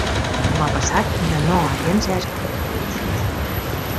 Demà passat na Noa i en Cesc aniran d'excursió.